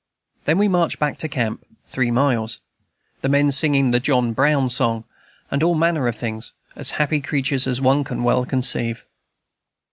Then we marched back to camp (three miles), the men singing the "John Brown Song," and all manner of things, as happy creatures as one can well conceive.